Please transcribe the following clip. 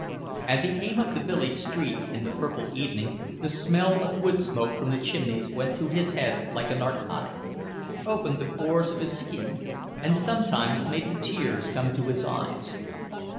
As he came up the village street in the purple evening, the smell of wood smoke from the chimneys went to his head like a narcotic, opened the pores of his skin, and sometimes made the tears come to his eyes.